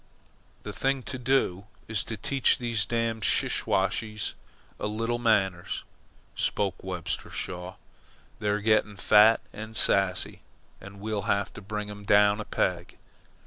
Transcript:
"The thing to do is to teach these damned Siwashes a little manners," spoke Webster Shaw. "They're getting fat and sassy, and we'll have to bring them down a peg.